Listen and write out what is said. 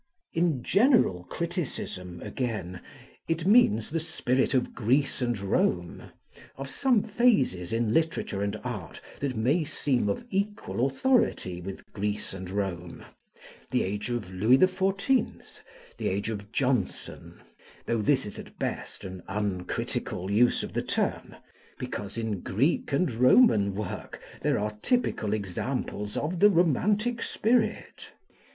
In general criticism, again, it means the spirit of Greece and Rome, of some phases in literature and art that may seem of equal authority with Greece and Rome, the age of Louis the Fourteenth, the age of Johnson; though this is at best an uncritical use of the term, because in Greek and Roman work there are typical examples of the romantic spirit.